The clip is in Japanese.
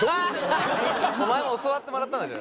お前も教わってもらったんだぞ。